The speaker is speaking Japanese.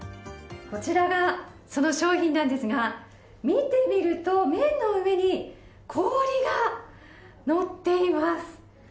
こちらがその商品なんですが見てみると麺の上に氷がのっています。